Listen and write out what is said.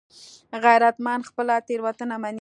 غیرتمند خپله تېروتنه مني